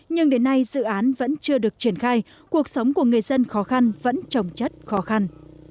nhưng đến nay dự án vẫn chưa được triển khai cuộc sống của người dân khó khăn vẫn trồng chất khó khăn